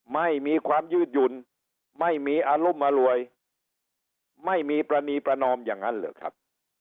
ไม่มีความยืดหยุ่นไม่มีอารุมอรวยไม่มีปรณีประนอมอย่างนั้นเหรอครับ